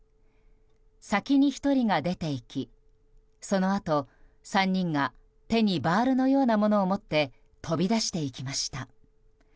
先に１人が出て行きそのあと、３人が手にバールのようなものを持って飛び出していきました。